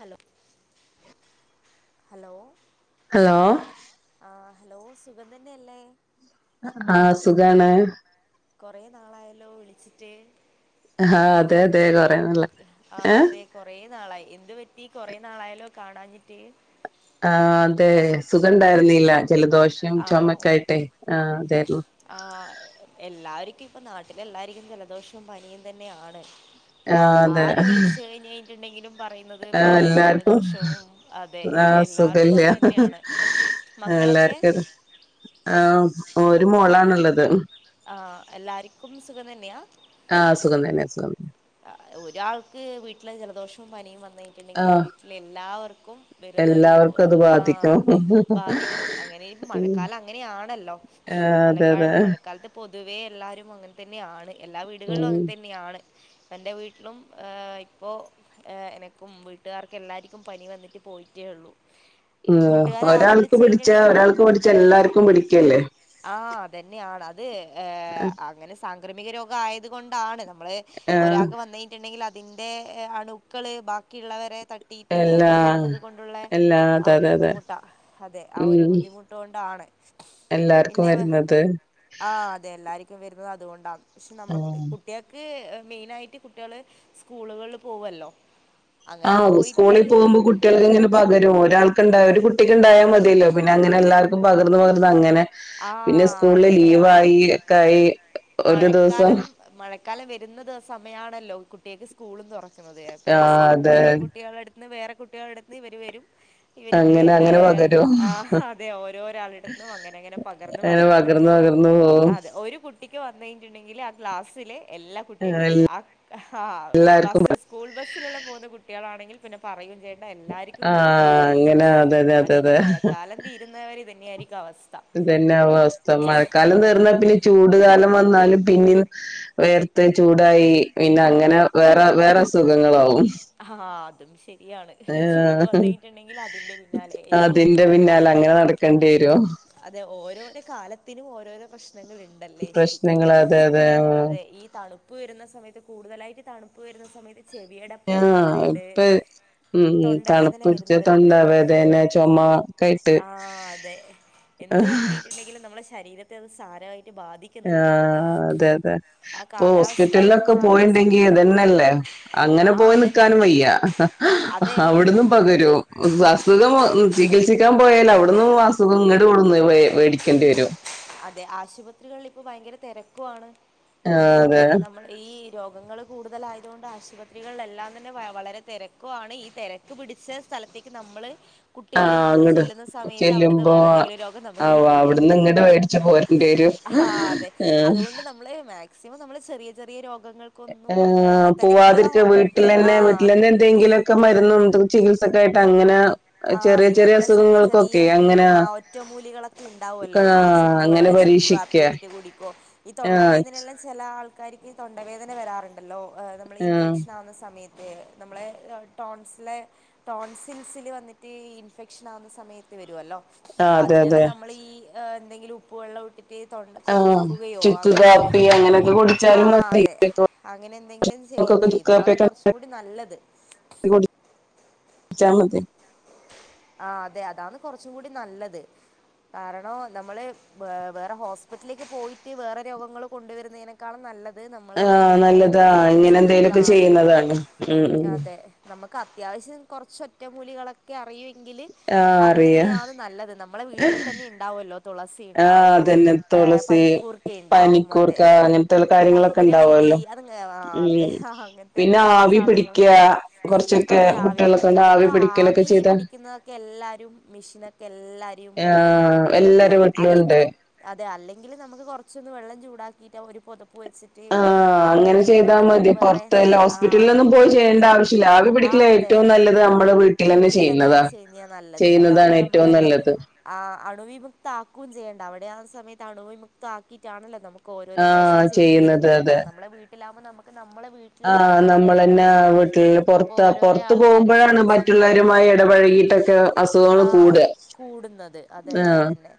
Hello hello hello ആഹ് hello സുഖം തന്നെ അല്ലേ ആഹ് സുഖാണ് കൊറെ നാളായല്ലോ വിളിച്ചിട്ട് ആഹ് എന്ത് അതെ അതെ പറ്റി കൊറേ നാളായി ആ ഏഹ് അതെ കൊറെ നാളായി എന്ത് പറ്റി? കൊറെ നാളായാല്ലോ കാണാഞ്ഞിട്ട് ആ അതെ സുഖം ഇണ്ടായിരുന്നില്ല. ജലദോഷം ആണോ ചുമക്കായിട്ടെ ആഹ അതായിരുന്നു ആ എല്ലാവർക്കും ഇപ്പൊ നാട്ടില എല്ലാർക്കും ജലദോഷവും പനിയും തന്നെയാണ് ആഹ് അതെ ആര് വിളിച്ച് കഴിഞ്ഞ് കഴിഞ്ഞിട്ടുണ്ടെങ്കിലും പറയുന്നത് ആഹ് പനിയും എല്ലാർക്കും ജലദോഷവും അതെ ആഹ് എല്ലാവർക്കും സുഖല്ല അത് തന്നെയാണ് മക്കളൊക്കെ ആ ഒരു മോളാണുള്ളത് ആ എല്ലാവർക്കും സുഖം തന്നെയാണ് ആഹ് സുഖം തന്നെ സുഖം ഒരാൾക്ക് വീട്ടിലെ ജലദോഷവും പനിയും വന്നിട്ടുണ്ടെങ്കിൽ ആഹ് വീട്ടില എല്ലാവർക്കും വരുന്നൊരു എല്ലാവർക്കും അത് ആ ബാധിക്കും ബാധിക്കൂ അങ്ങനെ ഉം മഴക്കാലം അങ്ങനെയാണല്ലോ ആഹ് അതെ അതെ മഴക്കാാലം മഴ പൊതുവെ എല്ലാവാരും അങ്ങനെ തന്നെയാണ് എല്ലാ വീടുകളിലും ഉം അങ്ങനെ തന്നെയാണ് അൾ എൻ്റെ വീട്ടിലും ഇപ്പോൾ എനക്കും വീട്ടുകാർക്ക എല്ലാവർക്കും പനി വന്നിട്ട് പോയിട്ടേ ഉള്ളൂ ഉ കൂട്ടുകാർ ആരെ ഒരാൾക്ക് വിളിച്ച് പിടിച്ചാ കഴിഞ്ഞിട്ടുണ്ടെങ്കിലും ഒരാൾക്ക് പിടിച്ച എല്ലാർക്കും പിടിക്കല്ലേ ആഹ് [unintelligible] ഏഹ് അങ്ങനെ ക്ർമിക രോഗ ആയതുകൊണ്ടാണ് നമ്മള് ആഹ് ഒരാൾക്ക് വന്നിട്ടുണ്ടെങ്കിൽ അ അതിന്റെ അണുക്കള് ബാക്കിയുള്ളവരെ തട്ടീട്ട് എല്ലാ അങ്ങനെ വരുന്നത് കൊണ്ടുള്ള എല്ലാ ആ അതെ ഒരു അതെ അതെ ബുദ്ധിമുട്ടാ അതെ ആ ഒരു ഉം ബുദ്ധിമുട്ടുക കൊണ്ടാണ് എല്ലാർക്കും പിന്നെ വരുന്നത് അത എല്ലാവർക്കും വരുന്നത് അതുകൊണ്ടാണ് പക്ഷെ നമ്മക്ക് ആഹ് കുട്ടികൾക്ക് മെയിനായിട്ട് കുട്ടികള് സ്കൂളുകളിൽ പോകല്ലോ ആഹ സ്കൂളിൽ പോകുമ്പോ കുട്ടികൾക്ക് ഇങ്ങനെ പകരും ഒരാൾക്കുണ്ടായ കുട്ടിക്ക് ഉണ്ടായാ മതിയല്ലോ പിന്നെ അങ്ങെ എല്ലാവർക്കും പകർന്ന് പകർന്ന് അങ്ങനെ പിന്നെ ആഹ് സ്കൂളില് അതന്നെയാണ് ലീവായി ഒക്കൊയി ഒരു ദിവസം അൽക്കാലം വരുന്നത് സമയമാണല്ലോ കുട്ടികൾക്ക് സ്കൂള നിന്ന് തുറ തെ അപ്പൊ ആഹ് അതെ സ്കൂളിലെ കുട്ടികള അടുത്ത് ഇന്ന് വേറെ കുട്ടികള അടുത്ത്ന്ന് ഇവർ വരും ഇവർക്ക് അങ്ങനെ ഏ അങ്ങനെ പകരും ആ അതെ ഓരോരാളടും അങ്ങനെ അങ്ങനെ അങ്ങനെ പക പകർന്ന് പകർന്ന് പോവും അതെ ഒരു കുട്ടിക്ക് വന്ന കഴിഞ്ഞുണ്ടെങ്കിൽ സ്സിലെ എല്ലാ കുട്ടികൾക്കും വരും ആ ആ എല്ലാർക്കും ബസ് സ്കൂൾ ബസ്സിലെല്ലാം പോകുന്ന കുട്ടികളാണെങ്കിൽ പിന്നെ പറയും ചെയ എല്ലാർക്കും കൊടുക്കും ആഹ് അങ്ങനെ അതെ അതെ അതെ അതനി അതെ മഴക്കാലം തീരുന്നവരെ തന്നെയ ആായിരിക്കും അവസ്ഥ പിന്ന അവസ്ഥ മഴക്കാലം തീർന്നാ പിന്നെ ചൂട് കാലം വന്ന ാലും പിന്ന വേർത്ത് ചൂടായി പിന്നെ അങ്ങനെ വേറെ വേറെ അ സുഖങ്ങളാവും ആഹ അ ശ ാണ് ചൂട് ഏഹ് വന്നഞ്ഞിട്ടുണ്ടെങ്കിൽ അതിന്റെ പിന്നാലെ ആയിരിക്കും അതിന്റെ പിന്നാലെ തണുപ്പ അങ്ങനെ നടക്കേണ്ടി വരും അതെ ഓരോരോ കാലത്തിനും ഓരോരോ പ്രശ [unintelligible] ണ്ടല്ലേ ശെരിക്കും പ്രശ്നങ്ങൾ അതെ അതെ അതെ ഈ തണുപ്പ് വെര്ന്ന സമയത്ത് കൂട്തലായിട്ട് തണുപ്പ് വെര്ന്ന സമയത്ത് ചെവിയടപ്പ് ആഹ് വരുന്നവരുണ്ട് ഇപ്പൊ ഉം തണുപ്പ് തൊണ്ടവേദന പിടിച്ച് വരുന്നവരുണ്ട് തൊണ്ടവേദന ചൊമ ഒക്കെയായിട്ട് ആ അതെ എന്ത് വന്നിട്ടുണ്ടെങ്കിലും നമ്മളെ ശരീരത്തെ അത് സാരവായി ആഹ് അതെ അതെ ആ ഇപ്പൊ കാലാവസ്ഥ ഒന്ന് ഹോസ്പിറ്റൽലൊക്കെ മാറുന്ന പോയിണ്ടെങ്കി സമയത്ത് ഇതന്നല്ലേ അങ്ങനെ ആ പോയി അതന്നെ നിക്കാനും വയ്യ അതെ അവ്ട്ന്നും പകരും അസുഖം ചികി സിക്കാൻ പോയാല് അവിടുന്നും അസുഖം ഇങ്ങട് കൊണ്ടുന്ന് വേടിക്കേണ്ടി വെരും അതെ ആശുപത്രികളില് ഇപ്പൊ ഭയങ്കര തെരക്കും ആണ് ആഹ് അതെ രോഗങ്ങള് കൂടുതലായതോണ്ട് ആശുപത്രികളിലെല്ലാം തന്നെ വ വളരെ തെരക്കും ആണ് ഈ തെരക്ക് പിടിച്ച സ്ഥലത്തേക്ക് നമ്മള് കുട്ടികളെയും ആഹ് കൊണ്ട് അങ്ങട്ട് ചെല്ലുന്ന സമയത്ത് അവിടുന്ന് ചെല്ലുമ്പോ വേറെ എന്തെങ്കിലും രോഗം നമുക്ക് ആഹ് കിട്ടുകയും ചെയ്യും അവിട്ന്ന് ഇങ്ങട് വേ ആഹ് അതെ അത്കൊണ്ട് നമ്മള് മാക്സിമം നമ്മള് ചെറി ചെറിയ ചെറിയ രോഗ [unintelligible] പോവാതിരിക്കാ വീട്ടിലന്നെ ആഹ് വീട്ടിലന്നെ എന്തെങ്കിലൊക്കെ മര്ന്നും തും ചികിൽസ് ഇതൊക്കെയായിട്ട് അങ്ങനെ ആഹ് ചെറിയ ഈ നമ്മള് ചെറിയ ചെറിയ അസുഖങ്ങൾക്കൊക്കെ അങ്ങനെ ആഹ് ഒറ്റമൂലികളൊക്കെ ഉണ്ടാവല്ലോ ഈ ചുക്ക് അങ്ങനെ ചുക്ക് പരീക്ഷിക്ക കാപ്പി ഇട്ടിട്ട് കുടിക്കോ ഈ ആ തൊണ്ടവേദനയെല്ലാം ചെല ആൾ ക്കാരിക്ക് തൊണ്ടവേദന വെരാറുണ്ടല്ലോ ഏഹ് നമ്മള് ആ ഇൻഫെക്ഷനാവുന്ന സമയത്ത് ഏഹ് നമ്മളെ ടോൺസിലെ ടോൺസിൽസില് വന്നി ട്ട് ഇൻഫെക്ഷനാവുന്ന സമയത്ത് വെരുവല്ലോ ആഹ് അതെ അതെ അതിനെല്ലാം നമ്മള് ഈ ഏഹ് എന്തെങ്കിലു ഉപ്പ് വെള്ളം ഇട്ട് ഈ തൊണ്ട ആഹ് കൊപ്ളിക്കുകയോ ചുക്ക് അങ്ങനെ കാപ്പി എന്തെങ്കിലും അങ്ങനെയൊക്കെ കുടിച്ചാലും ആഹ് മതി അതെ അങ്ങനെ എന്തെങ്കിലും ചെയ്തു മക്കൾക്ക് ചുക്ക് ചെയ്താണ് കാപ്പിയൊക്കെ ഉണ്ടാക്കി കൊറച്ചുകൂടി നല്ലത് ട്ച്ചാ മതി ആഹ് അതെ അതാണ് കൊറച്ചും കൂടി നല്ലത്. കാരണം നമ്മള് വേറെ ഹോസ്പിറ്റലിലേക്ക് പോയിട്ട് വേറെ രോഗങ്ങള് കൊണ്ട് വരുന്നതിനേക്കാളും നല്ലത് അത് നമ്മളെ ആഹ് വീട്ടിൽ തന്നെ നല്ലതാ എന്തെങ്കിലൊക്കെ ഇങ്ങനെ എന്തേലൊക്കെ ചെയ്യ്ന്നതാണ് ചെയ്യുന്നതാണ് ഉം ഉം അതെ നമ അത്യാവശ്യം കൊറച്ച് ഒറ്റമൂലികളൊക്കെ അറി എങ്കിൽ ആഹ് അത് അറിയാ തന്നെയാണ് നല്ലത് നമ്മളെ വീട്ടിൽ തന്നെ ഉണ്ടാവല്ലോ ആഹ് അതന്നെ തുളസി പനിക്കൂർക്ക ഉണ്ടാവും അതെ പനിക്കൂർക്ക അങ്ങനത്തുള്ള കാര്യങ്ങളൊക്കെ കർപ്പൂരവല്ലി ഉണ്ടാവല്ലോ അത് ആ അതെ ഉം അങ്ങനത്തെ പിന്നെ ആവി സാധനങ്ങൾ പിടിക്ക കുറച്ചൊക്കെ അതെ കുട്ടികളൊക്കെണ്ട് ആവി പിടിക്കലൊക്കെ ചെയ്താ കിക്കു ന്നതൊക്കെ എല്ലാരും മെഷീനൊക്കെ എല്ലാരും ഉണ്ടല്ലോ ആഹ് വീട്ടില് എല്ലാരെ വീട്ടിലും ഉണ്ട് അല്ലെങ്കിലും അതെ അല്ലെങ്കിൽ നമുക്ക് കൊറച്ചൊന്ന് വെള്ളം ചൂട ആക്കി ട്ട ഒരു പൊതപ്പു ആഹ് അങ്ങനെ ചെയ്താമതി നമുക്ക് വേറെ പൊറത്തേല ആ ഹോസ്പിറ്റലിൽ ഒന്നും പോയി ചെയ്യേണ്ട ആവശ്യല്ല ആവി ആഹ് പിടിക്കൽന് അതെ ഏറ്റവും നല്ലത് നമ്മുടെ വീട്ടിൽ ചെയ്യ തന്നെ ചെയഞ്ഞാൽ നല്ലത് അതാകുമ്പോ നമുൊ നല്ലത്. അണുവിമുക്ത ആക്കുകയും ചെയ്യേണ്ട അവിടെയാുന്ന സമയത്ത് തണുവി മുക്ത ആക്കിട്ടാണല്ലോ നമുക്ക് ഓരോരോ പ്രാവശ്യം ആഹ് ചെയ്തു ചെയ്യുന്നത് തെരുന്നെ ഇതാ അതെ. നമ്മുടെ വീട്ടിൽ ഇതിൽ ആകുമ്പോ നമുക്ക് നമ്മളെ വീട്ടിലുള്ള ആഹ് ആൾക്കാരല്ലേ നമ്മളന്നെ ഒള്ളൂ, വീട്ടില് അപ്പൊ പൊറത്ത് ഓരോരോ ആൾക്കാരും ചെയ്യുന്ന സമയത്ത്. മായി ഇടപഴകിട്ടൊക്കെ അസുഖങ്ങൾ ആഹ് കൂടുക കൂടുന്നത് അതന്നെ ആഹ്. അതന്നെ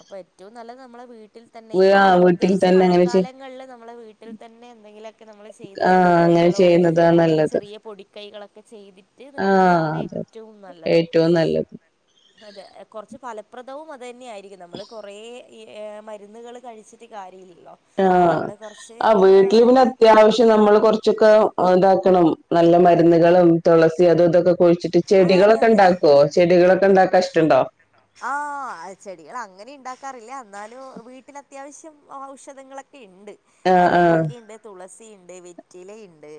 അപ്പൊ ഏറ്റവും നല്ലത് നമ്മളെ വീ വീട്ടിൽ തന്നെ വീ ആഹ് വീട്ടിൽ പ്രത്യേകിച്ച് തന്നെ അങ്ങനെ ചെയ് മഴക്കാലങ്ങളിൽ നമ്മളെ വീട്ടിൽ തന്നെ എന്തെങ്കിലുമൊക്കെ നമ്മൾ ചെയ്ത ആഹ് അങ്ങനെ ഒറ്റമൂലികളോ ചെയ്യുന്നതാ അല്ലെങ്കിൽ നല്ലത്. ചെറിയ പൊടി. കൈകളൊക്കെ ചെയ്തിട്ട് ആഹ് നിക്കുന്നതാണ്. അതെ ഏറ്റവും അതെ നല്ലത് ഏറ്റവും നല്ലത്. അതെ കൊറച്ച് ഫലപ്രദവും അത്. അത് തന്നെയായിരിക്കും നമ്മള് കൊറെ. ഈ ഏഹ് മര്ന്ന്കള് കഴിച്ചിട്ട് കാര് ആഹ് ആ വീട്ട്ല് പിന്നെ അത്യാവശ്യം നമ്മൾ കൊറച്ചൊക്കെ അ താക് ക്കണം നല്ല മര്ന്ന്കളും താെളസി അതും ഇതൊക്കെ കുഴ്ച്ച്ട്ട് ആ, അതെ അതെ ചെടികളൊക്കെണ്ടാക്കാേ ചെടികളൊക്കെണ്ടാക്കാ ഇഷ്ടണ്ടോ ന്നാലും വീട്ട്ലത്യാവശ്യം ഔഷധങ്ങളെ ക്കെ ഇണ്ട് ആഹ് ആഹ് പനിക്കൂർക്കീണ്ട് തുളസീ ണ്ട് വെറ്റില ഇണ്ട്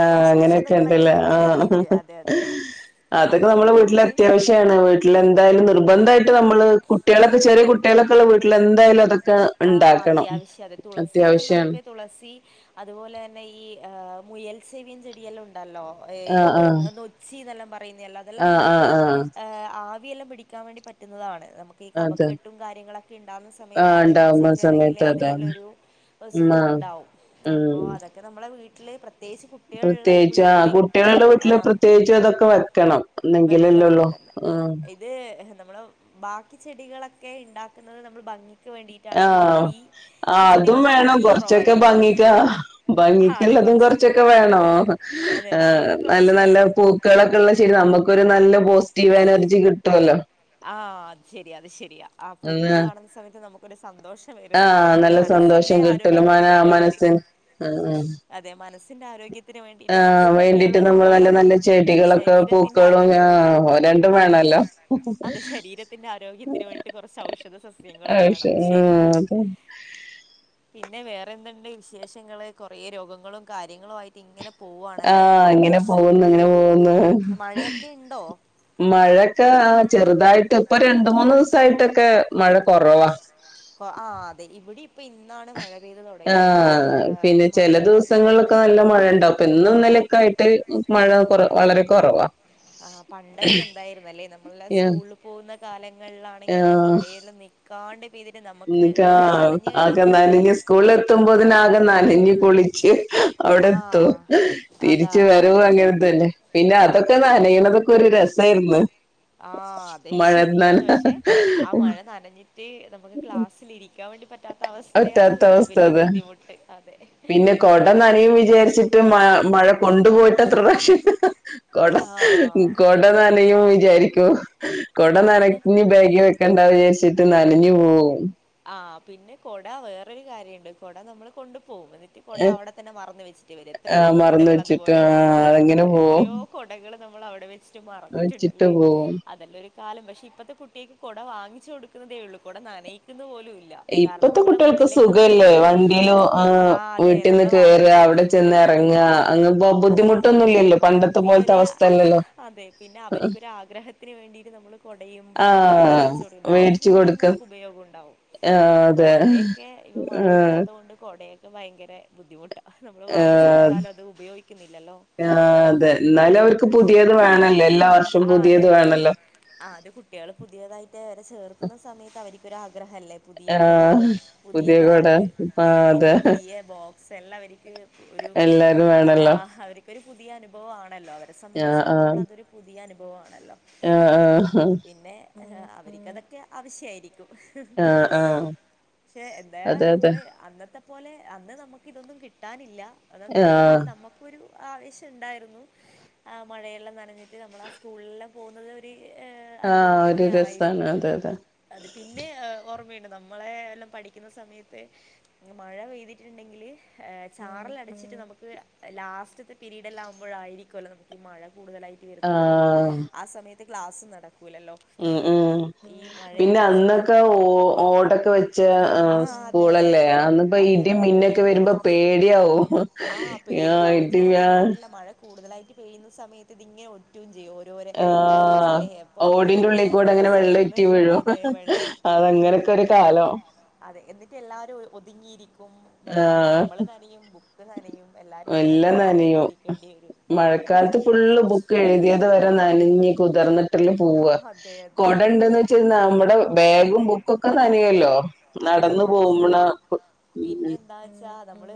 ആഹ് അങ്ങനെയൊക്കെ ഔഷധങ്ങളൊക്കെ ഉണ്ടല്ലേ വീട്ട് ആഹ് തന്നെയ്ണ്ട് അതെ അതെ അതൊക്കെ നമ്മളെ അതുകൊണ്ട് വീട്ട്ല് നമുക്ക് അത്യാവശ്യാണ് വീട്ട്ലെന്തായാലും നിർബന്ധായ് ട്ട് നമ്മള് കുട്ട്യേളൊക്കെ ചെറ്യേ കുട്ട്യേളൊക്കെള്ള വീട്ട്ല് എന്തായാലും അതൊ ആഹ് അത്യാവശ്യ അത് തുളസിയെല്ലാം അത്യാവശ്യാണ് നമുക്ക് തുളസി അതുപോലെ തന്നെ ഈ ഏ മുയൽസെവിയൻ ചെടിയെല്ലൊം ണ്ടല്ലോ ഏഹ് ആഹ് ന നൊച്ചിന്നെല്ലാം പറയ്ന്നെ എല്ലാം അതെല്ലാം ആഹ് നമ്ക്ക് ആഹ് ആഹ് ആഹ് ഏഹ് ആവിയെല്ലാം പിടി ക്കാം വേണ്ടി പറ്റ്ന്നതാണ് നമ്ക്ക് ഈ അതെ കബക്കെട്ടും കാര്യങ്ങളൊക്കെണ്ടാവ്ന്ന സമയത്ത് ആഹ് ആവി പിടി ഉണ്ടാവുന്ന ച്ചയ്ഞ്ഞിട്ട്ണ്ടെങ്കില് സമയത്ത് അതിനെല്ല അതാണ് ഒരു ബ ഉം ആഹ് സുഖുണ്ടാവും അപ്പോ ഉം അതൊക്കെ നമ്മളെ വീ ത്തിലേ പ്ര പ്രത്യേകിച്ച് കുട്ടികൾള്ള പ്രത്യേകിച്ച് ആ വീട്ടില് കുട്ടികളുടെ ആ വീട്ടില് പ്രത്യേകിച്ച് അതൊക്കെ വെക്കണം വെക്കണം എന്നെങ്കിലല്ലേള്ളൂ അതെന്നെ ഉം ഇത് നമ്മള് ബാക്കി ചെടികളൊ ക്കെ ഇണ്ടാക്കുന്നത് നമ്മള് ഭംഗിക്ക് വേണ്ടി ആഹ് ആ അതും വേണം ഭംഗി കൊർച്ചൊക്കെ കുറവായിരിക്കും ഭംഗിക്കാ ആ അതെ ഭംഗിക്കുള്ളതും കുറച്ചൊക്കെ കൊർച്ചൊക്കെ ഭംഗിയൊക്കെ വേണോ അതെ അതെ അതെ ആ ഭംഗിക്കും നല്ല കുറച്ച് നല്ല വേണം പൂക്കളൊക്കെള്ള ശടി നമുക്കൊരു നല്ല പോസിറ്റീവ് എനർജി കിട്ടും ട്ടോല്ലോ ആഹ് അത് ശരി അത് ശരിയാ ആ പൂക്കള് ഉം കാണുന്ന സമയത്ത് നമുക്കൊരു സന്തോഷം വരന്ന് പറയാ ആഹ് നമ്മുടെ നല്ല മനസ്സിന്റെ സന്തോഷം കിട്ടല്ലോ ആരോഗ്യത്തിന് മന വേണ്ടിട്ട് മനസ്സിന് അ മനസ്സിൻ്റെ ആരോഗ്യത്തെ ആ വേണ്ടിട്ട് നമ്മൾ നല്ല നല്ല ചെടികളൊക്കെ ശരീരത്തിന്റെ പൂക്കളും ആരോഗ്യ രണ്ടും അതെ വേണല്ലോ അത് ശരീരത്തിന്റെറെ ആരോഗ്യത്തിന് വേണ്ടിട്ട് കുറച്ച് ഔഷധ സസ്യങ്ങൾ ആഹ് വേണം ശരിയാണ് പിന്നെ വേറെന്തതുണ്ട് വിശേഷങ്ങള് കുറേ രോഗങ്ങളും കാര്യങ്ങളും ആയിട്ട് ഇങ്ങനെ പോവാണല്ലേ ആഹ ഇങ്ങനെ പോകുന്നു അങ്ങനെ പോകന്ന് മഴയൊക്കെ ഇണ്ടോ മഴയൊക്കെ ചെറുതായിട്ട് ഇപ്പൊ രണ്ട് മൂന്ന് ദിവസായിട്ടൊക്കെ മഴ കുറവാ ആ് അതെ ഇവിടെ ഇ ആ, ആഹ് പിന്നെ ചില മഴയെല്ലാം കുറവ് ദിവസങ്ങളിലൊക്കെ തന്നെ നല്ല മഴ ഉണ്ടാവും അപ്പൊ എന്നന്നലൊക്കെ ആയിട്ട് മഴ കൊറ വളരെ കുറവാ ആ് പണ്ടൊക്കെ എന്തായിുന്ന അല്ലെ നമ്മളുടെ ആഹ് സ്കൂളിൽ പോകുന്ന കാലങ്ങളിലാണെങ്കില് മഴയെല്ലാം നക്കാണ്ട് നിിക്കാ ആകെ നനഞ്ഞ സ്കൂള എത്തുമ്പോ തന്നെ ആകെ നനഞ്ഞ് കുളിച്ച് അവിടെ ആ എത്തും അതാ തിരിച്ച് അതാ വരവു അങ്ങനെതനെ പിന്നെ അതൊക്കെ നനയണതൊക്കെ ഒരു രസായിരുന്നു ആ അതെ മഴയത്ത് നന ശരിയാന്ന് പക്ഷെ ആ മഴ നനഞ്ഞിട്ട് നമുക്ക് ക്ലാസ്സിലിരിക്കാം പറ്റാത്ത അവസ്ഥ അത് ബുദ്ധിമുട്ട് അതെ പിന്നെ അതാണ് കുറച്ചും കൊടന്നനിയും കൂടെ വിചാരിച്ചിട്ട് ബുദ്ധിമുട്ട് മ മഴ കൊണ്ടുപോയിട്ട് അത്ര പ്രക്ഷ കൊട ആഹ് കൊട നനയും വിചാരിക്കൂ ഉ [unintelligible] പിന്നെ കൊടനരത്തിന് ബാഗി വെക്കാൻ വിജാചിട്ട് നനഞ്ഞു പോവും ആ പിന്നെ കൊട വേറരു കാര്യണ്ട് കൊട നമ്മൾ കൊണ്ട് പോം എന്നിട്ട് കുട അവിടെ തന്നെ മറന്ന് വെച്ചിട്ട് വരും ആ എത്രയോ മറന്ന് കുടകൾ വെച്ചിട്ട് അതുപോലെ ആ അതങ്ങനെ അതെ പോവും എത്രയോ കുടകൾ നമ്മൾ അവിടെ വെച്ചിട്ട് മറന്നിട്ടുണ്ടല്ലേ പോവും അതെല്ല കാലം പക്ഷെ ഇപ്പത്തെ കുട്ടേക്ക് കുട വാങ്ങിച്ചു കൊടുക്കുന്നേ ഉള്ളൂ കുട നനേ ഇ [unintelligible] [unintelligible] ലൂല്ല കാരണം ഇപ്പത്തെ നമ്മള് കുട്ടികൾക്ക് ഒന്നില്ലെങ്കിൽ നമ്മള് സുഖല്ലേ വണ്ടിയിലും ആ അതെ വീട്ടിൽന്ന് നമ്മള കേറുക അവിടെ വാഹനത്തില്ലേ ചെന്ന് വിടുന്നത് ഇറങ്ങുക അങ്ങ് അതെ ബുദ്ധിമുട്ടൊന്നുമില്ലല്ലോ പണ്ടത്തെ പിന്നെ പോലത്തെ ഒരു അവസ്ഥ അല്ലല്ലോ അതെ പിന്നെ അവർക്കൊര് ആഗ്രഹത്തിന് വേണ്ടിട്ട് നമ്മൾ കുടയും ആ ബാഗ എല്ലാം മേടിച്ചു കൊടുക്കും ബാഗ് മേടിച്ചു പിന്നെയും കൊടുക്ക നമുക്ക് ഉപയോഗമുണ്ട് ണ്ടവും ആഹ് അതെ കൊടയൊക്കെ ഇപ്പ ആഹ് മഴയില്ലാത്ത കൊണ്ട് കൊടയൊ ഭയങ്കര ബുദ്ധിമുട്ട നമ്മൾ വാങ്ങിച്ച് കൊടുത്താൽ അത് ഉപയോഗിക്ക ആ അതെ എന്നാലും അവർക്ക് പുതിയത് വേണല്ലോ എല്ലാ വർഷവും ആ അതെ പുതിയത് അതെ വേണല്ലോ ചേർക്കുന്ന സമയത്ത് അവ ഇന്ന് രാ അല്ലേ പുതിയ കുട ആഹ് പുതിയ ബാഗ് ആഹ് പിന്നെ അതെ പുതിയ ബോക് സെ ല്ലവരിക്കും ഒരു എല്ലാരും വേണല്ലോ അവർക്കൊ പുതിയ അനുഭവാണ് ആണല്ലോരെ സംബന്ധിച്ചടുത്തോളം അതൊരു പുതിയ അനു ഗോവാ ആഹ ആഹ ആഹ അവർക്ക്തൊക്കെ ആവശ്യയിരിക്കും ആഹ് ആഹ് പക്ഷെ എന്തായ അതെ അതെ നമ്മള് അന്നത്തെ അതുപോലെ അന്ന് നമുക്ക് ഇതൊന്നും കിട്ടാനില്ല അത ആഹ് അന്നാലും നമ്മുക്കൊരു ആവേശണ്ടായിരുന്നു ആ മഴയെല്ലാം നനഞ്ഞിട്ട് നമ്മൾ ആ സ്കൂളിലെല്ലാം പോകുന്നത് ഒരു ഏഹ് ആഹ അനുഭവം ഒരു തന്നെ രസാണ് ആയിരുന്നു അതെ അതെ അത് പിന്നെ ഓർമ്മയുണ്ട് നമ്മളെ എല്ലാം പഠിക്കുന്ന സമയത്ത് മഴ പെയ്തിട്ടുണ്ടെങ്കിൽ ചാറൽ അടിച്ചിട്ട് നമുക്ക് ലാസ്റ്റത്തെ പീരീഡ എല്ലാം ആകുമ്പോഴായിരിക്കുമല്ലോ നമുക്ക് ഈ മഴ കൂടുതലായിട്ട് വരുന്നുണ്ടാവാ ആഹ് ആ സമയത്ത് ക്ലാസ് നട ഉം ഉം പിന്നെ അന്ന് മഴയടിച്ചിട്ട് ക്കെ ഓ ഓടൊക്കെ വെച്ച ആഹ് അതെ അതെ സ്കൂളല്ലേ അന്ന്പ്പോ അതെ ഇടിം അതെ മിന്നൊക്കെ വരുമ്പോ പേടിയാവും ആഹ് ആഹ് പേടിയാവോം ഇടി ചെയ്യും അത് ആഹ് മാത്രല്ല മഴ കൂടുതലായി പെയ്യുന്ന സമയത്ത് ഇത് ഇങ്ങനെ ഒറ്റും ചെയ്യും ഓരോ ആഹ് ഓടല്ലേ അപ്പൊ ഈ ഓടിന്റെ ഓട്ടിന്റെ ഉള്ളിൽ കൂടെ ഓരോരോ അങ്ങനെ സൈഡന്ന് വെള്ളറ്റി വീഴും അതെ വെള്ളം ഒറ്റി ഒറ്റി അതങ്ങനൊക്കെ വീഴയും ഒരു ചെയ്യും കാലം അതെ എന്നിട്ട് എല്ലാവരും ഒതുങ്ങിയിരിക്കും നമ്മ ആഹ് നമ്മൾറിയും എല്ലാം നനയോ വരും അതെ അതെ മഴക്കാലത്ത് ഫുള്ള് ബുക്ക് എഴുതിയത് വരെ നന ഞ്ഞ് കുതിർന്ന് ട്ട പോവ അതെ അതെ കൊടണ്ടന്ന് വെച്ച നമ്മടെ ബാഗും ബുക്കൊക്കെ നനിയല്ലോ അതെ നടന്നു അത് പോകുമ്പോളാ ശരിയാ പിന്നെ എന്താ വച്ചാ ആ നമ്മള്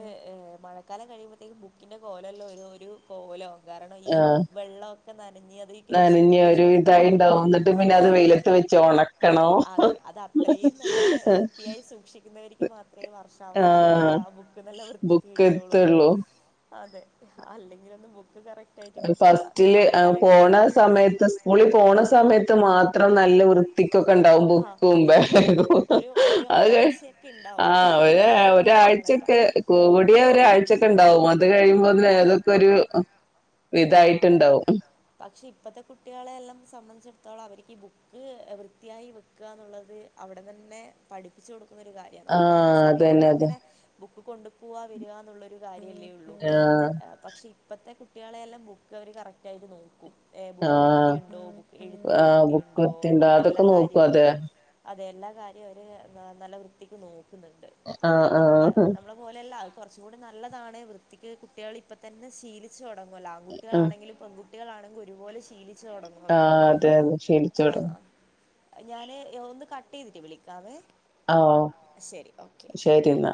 മഴക്കാലം കഴിയുമ്പോഴത്തേക്കും ബുക്കിന്റെ കോലല്ലോ ഒരു ഒരു കോലോവും കാരണം ഈ ആഹ് വെള്ളോക്കെ നനഞ്ഞ് അത് ഇങ്ങനെ നനഞ്ഞ് ചുരുണ്ട് ഒരു ചുരു ഇതായിണ്ടാവും ന്നിട്ട് പിന്നെ അത് വെയിലത്ത് വെച്ചോണക്ക അതെ അത് അത്രയും നല്ല വൃത്തിയായി സൂക്ഷിക്കുന്നവര്ക്ക് മാത്രേ വർഷാവസാനം വരെ ആഹ് ആ ബുക്ക് നല്ല വൃത്തിക്ക് ബുക്ക് കിട്ടുള്ളൂ എത്തുള്ളൂ അതെ അല്ലെങ്കിൽ ഒന്നും ബു ഫസ്റ്റില് പോണ കഴിയുമ്പോഴത്തേക്കും ബുക്കിന് സമയത്ത് സ്കൂളിൽ പോണ സമയത്ത് മാത്രം നല്ല വൃത്തിക്കൊക്കെ ഇണ്ടാ ആ ബുക്കും അതെ അതെ ബാഗും ഒരു ഒരു അത് കഴി ഒരാഴ്ചയൊക്കെ ഉണ്ടാവും ആ അത് ഒര കഴിഞ്ഞിട്ടുണ്ടെങ്കിൽ പിന്നെ കണക്കാ ഒരാഴ്ചക്കെ ക കൂടിയ ഒരാഴ്ചൊക്കെ ഇണ്ടാവും അത് കഴിയുമ്പോ ബാഗൊക്കെ ഒരു ആഹ് ഇതായിട്ടുണ്ടാവും പക്ഷെ ഇപ്പത്തെ കുട്ടികളെ എല്ലാം സംബന്ധിച്ചിടത്ത ത്തോളം അവർക്കി ബുക്ക് വൃത്തിയായി വയ്ക്ക എന്നുള്ളത് അവിടെ തന്നെ പഠിപ്പിച്ചു കൊടുക്കു ക്കുന്ന ഒരു കാര്യ ആ നമ്മളെ അതന്നെ സമയത്തൊന്നും അതെ അങ്ങനെ ബുക്കും കൊണ്ടു പോവാ വരിക എന്നുള്ളൊരു കാര്യേ ആഹ് പ്പത്തെ കുട്ട ട്ടികളെല്ലാം ബുക്ക് അവര് കറക്റ്റ് ആയിട്ട് നോക്കും ഏ ആ ബുക്ക് വൃത്തിയുണ്ടോ ബുക്ക് എഴുത്ത് ആ ബുക്ക് വൃത്തിയുണ്ടോ വൃത്തിയുണ്ടോ അതൊക്കെ എല്ലാ നോക്കും കാര്യവും അതെ അതെ എല്ലാ കാര്യം അവര് നല്ല വൃത്തിക്ക് നോക്കു ന്ന്ണ്ട് ആ ആ നമ്മളെ നമ്മള പോലെല്ല അത് കൊ ച്ചൂടി നല്ലതാണ് വൃത്തിക്ക് കുട്ടികളിപ്പോ തന്നെ ശീല ച്ച് തൊടങ്ങല്ലോ ആൺകട്ടികളാണങ്കിലും പെൺകു ട്ടികളാണെങ്കിലും ഒരുപോല ശീലി ആഹ അതെ അതെ ശീലിച്ചോട ഞാന് ഒന്ന് കട്ടീതിട്ട് വിളിക്കാമേ ആ ഓ ശരി ന്നാ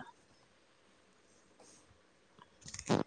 ആ